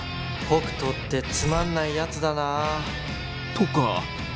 北斗ってつまんないやつだな。とか。